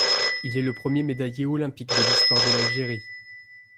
Il est le premier médaillé olympique de l'histoire de l'Algérie.